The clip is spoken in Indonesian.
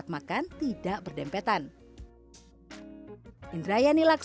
tidak terlalu ramah